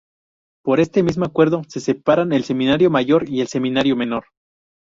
Por este mismo acuerdo se separan el Seminario Mayor y el Seminario Menor.